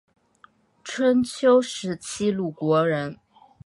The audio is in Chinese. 春秋时期鲁国人。